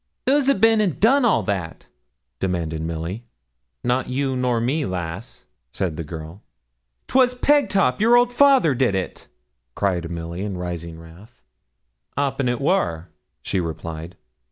'Who's a bin and done all that?' demanded Milly. 'Not you nor me, lass,' said the girl. ''Twas old Pegtop, your father, did it,' cried Milly, in rising wrath. ''Appen it wor,' she replied.